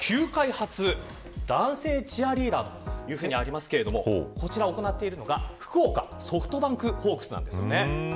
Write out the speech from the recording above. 球界初男性チアリーダーというふうにありますがこちらを行っているのが福岡ソフトバンクホークスなんです。